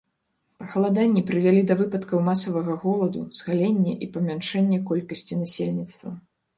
Пахаладанні прывялі да выпадкаў масавага голаду, згалення і памяншэння колькасці насельніцтва.